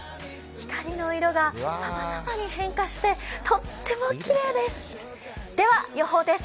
光の色がさまざまに変化してとってもきれいです。